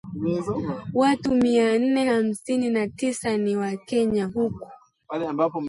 Watu mia nane hamsini na tisa ni wakenya huku